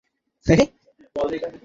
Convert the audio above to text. তিনি আল-হাসানি-ওয়াল-হোসাইনি।